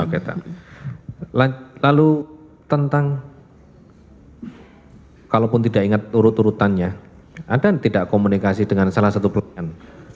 oke lalu tentang kalaupun tidak ingat urut urutannya anda tidak komunikasi dengan salah satu pelayan